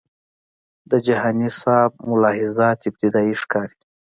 د جهانی سیب ملاحظات ابتدایي ښکاري.